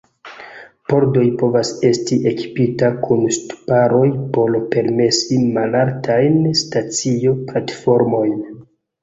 Pordoj povas esti ekipita kun ŝtuparoj por permesi malaltajn stacio-platformojn.